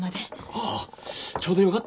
ああちょうどよかった。